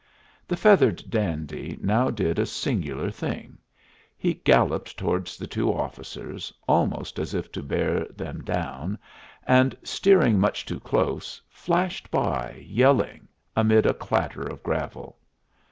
The feathered dandy now did a singular thing. He galloped towards the two officers almost as if to bear them down, and, steering much too close, flashed by yelling, amid a clatter of gravel.